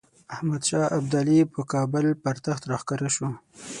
احمدشاه ابدالي په کابل پر تخت راښکاره شو.